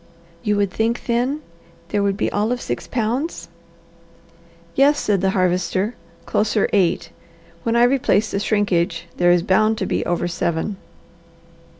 "You would think, then, there would be all of six pounds? "Yes," said the Harvester, "closer eight. When I replace the shrinkage there is bound to be over seven."